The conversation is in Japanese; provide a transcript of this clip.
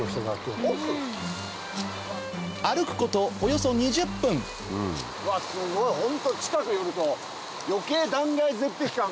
歩くことおよそ２０分うわすごいホント近く寄ると余計断崖絶壁感が。